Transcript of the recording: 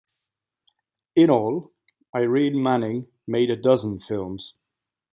In all, Irene Manning made a dozen films.